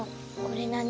これ何？